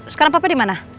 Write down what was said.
sekarang papa dimana